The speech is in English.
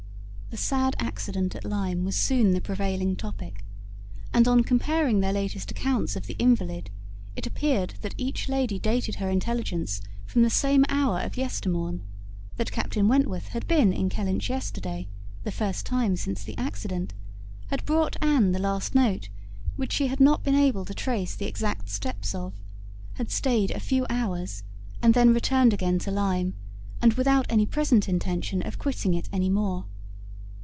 The sad accident at Lyme was soon the prevailing topic, and on comparing their latest accounts of the invalid, it appeared that each lady dated her intelligence from the same hour of yestermorn; that Captain Wentworth had been in Kellynch yesterday (the first time since the accident), had brought Anne the last note, which she had not been able to trace the exact steps of; had staid a few hours and then returned again to Lyme, and without any present intention of quitting it any more.